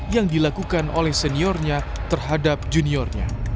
yang dilakukan oleh seniornya terhadap juniornya